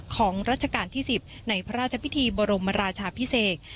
รัชกาลที่๑๐ในพระราชพิธีบรมราชาพิเศษ